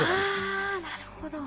あなるほど。